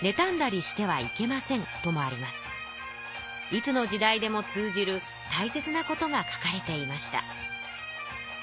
いつの時代でも通じるたいせつなことが書かれていました。